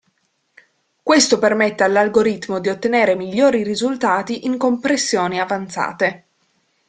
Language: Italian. Questo permette all'algoritmo di ottenere migliori risultati in compressioni avanzate.